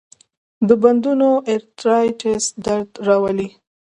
د بندونو ارترایټس درد راولي.